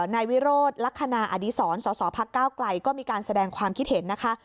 นายวิโรธลักษณะอดีศรสสพักก้าวไกลก็มีการแสดงความคิดเห็นนะคะ